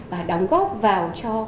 và đóng góp vào cho